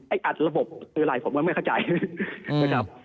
อัดระบบคืออะไรผมก็ไม่เข้าใจนะครับ